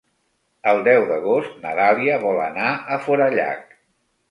El deu d'agost na Dàlia vol anar a Forallac.